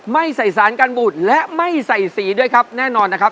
ไม่ใส่สารกันบูดและไม่ใส่สีด้วยครับแน่นอนนะครับ